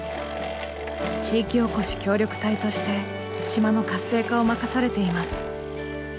地域おこし協力隊として島の活性化を任されています。